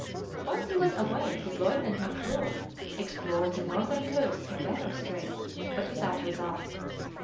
While he was away his lieutenant McClure explored the northern coasts of Barrow Strait, but without result.